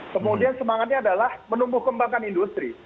kemudian semangatnya adalah menumbuh kembangkan industri